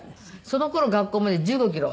その頃学校まで１５キロ。